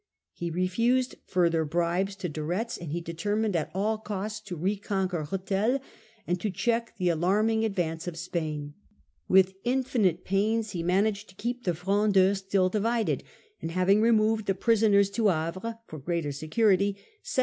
He refused further bribes to De Retz, and he determined at all costs to reconquer Rethel and to check the alarming advance The New Fronde . 165a of Spain. With infinite pains he managed to keep the Frondeurs still divided, and having removed the pri* „ soners to Havre for greater security, set out Campaign